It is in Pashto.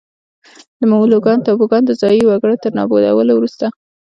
د مولوکان ټاپوګان د ځايي وګړو تر نابودولو وروسته.